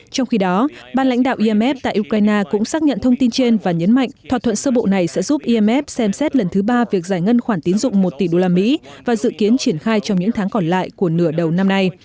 trong khi đó ban lãnh đạo imf tại ukraine cũng xác nhận thông tin trên và nhấn mạnh thỏa thuận sơ bộ này sẽ giúp imf xem xét lần thứ ba việc giải ngân khoản tín dụng một tỷ usd và dự kiến triển khai trong những tháng còn lại của nửa đầu năm nay